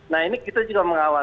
nah ini kita juga mengawal